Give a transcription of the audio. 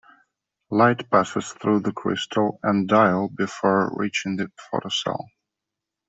Light passes through the crystal and dial before reaching the photocell.